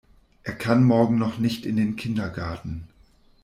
Er kann morgen noch nicht in den Kindergarten.